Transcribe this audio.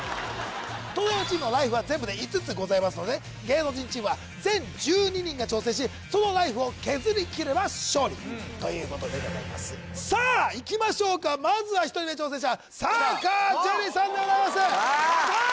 東大王チームのライフは全部で５つございますので芸能人チームは全１２人が挑戦しそのライフを削りきれば勝利ということでございますさあいきましょうかまずは１人目の挑戦者サーカー壽梨さんでございますさあ・